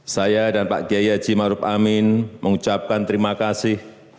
saya dan pak geya jimaruf amin mengucapkan terima kasih